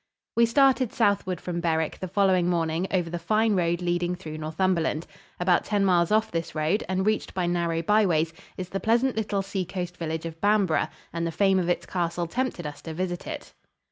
We started southward from Berwick the following morning over the fine road leading through Northumberland. About ten miles off this road, and reached by narrow byways, is the pleasant little seacoast village of Bamborough, and the fame of its castle tempted us to visit it.